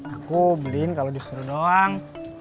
aku beliin kalau disuruh doang